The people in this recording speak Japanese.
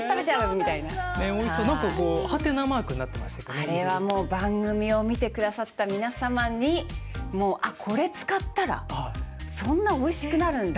あれはもう番組を見てくださった皆様にもうあっこれ使ったらそんなおいしくなるんだ。